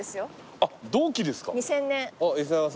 あっ同期ですか。